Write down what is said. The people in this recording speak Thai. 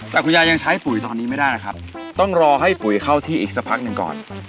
แต่คุณยายยังใช้ปุ๋ยตอนนี้ไม่ได้นะครับต้องรอให้ปุ๋ยเข้าที่อีกสักพักหนึ่งก่อน